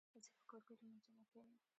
ښځي په کور کي لمونځونه کوي.